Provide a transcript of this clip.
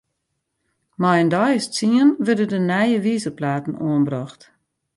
Mei in deis as tsien wurde de nije wizerplaten oanbrocht.